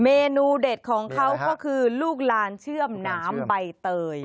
เมนูเด็ดของเขาก็คือลูกลานเชื่อมน้ำใบเตย